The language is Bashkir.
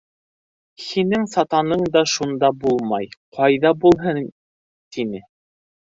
Һинең сатаның да шунда булмай, ҡайҙа булһын, — тине.